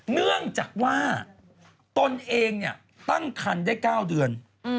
เนื่องจากว่าตนเองตั้งครรภ์ได้๙เดือน